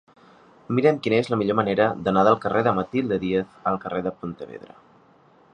Mira'm quina és la millor manera d'anar del carrer de Matilde Díez al carrer de Pontevedra.